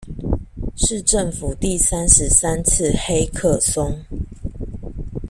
是政府第三十三次黑客松